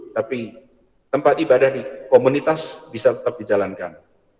tapi tempat ibadah di komunitas bisa tetap dijalankan